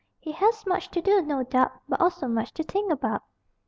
He has much to do, no doubt, But also much to think about.